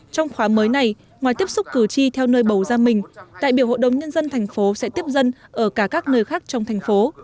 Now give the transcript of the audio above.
trong khóa mới này ngoài tiếp xúc cử tri theo nơi bầu ra mình đại biểu hội đồng nhân dân thành phố sẽ tiếp dân ở cả các nơi khác trong thành phố